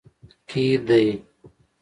کې دی